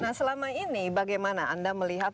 nah selama ini bagaimana anda melihat